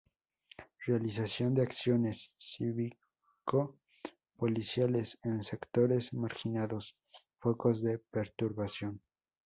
Realización de acciones cívico-policiales, en sectores marginados, focos de perturbación.